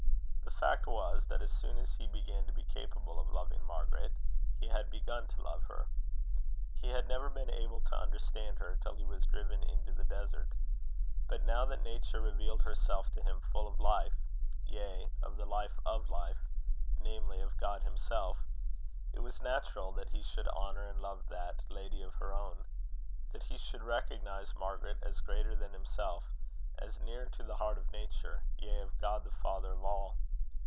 The fact was, that as soon as he began to be capable of loving Margaret, he had begun to love her. He had never been able to understand her till he was driven into the desert. But now that Nature revealed herself to him full of Life, yea, of the Life of Life, namely, of God himself, it was natural that he should honour and love that 'lady of her own'; that he should recognize Margaret as greater than himself, as nearer to the heart of Nature yea, of God the father of all.